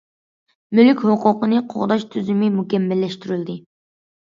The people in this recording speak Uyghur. مۈلۈك ھوقۇقىنى قوغداش تۈزۈمى مۇكەممەللەشتۈرۈلدى.